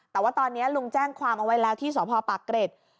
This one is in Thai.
แต่ว่าตอนนี้ลุงแจ้งความเอาไว้แล้วที่สพปากเกร็ด